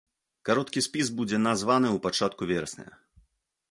Кароткі спіс будзе названы ў пачатку верасня.